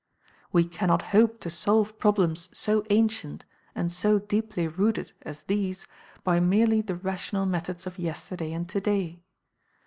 We cannot hope to solve problems so ancient and so deeply rooted as these by merely the rational methods of yesterday and today.